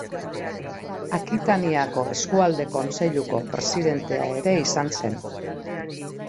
Akitaniako Eskualde Kontseiluko presidentea ere izan zen.